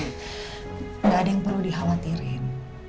jadi gak ada yang perlu dikhawatirin